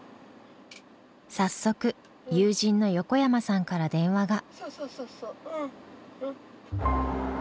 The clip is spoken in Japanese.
早速友人の横山さんから電話が。